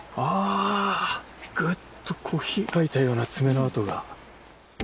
グッと引っかいたような爪の跡が。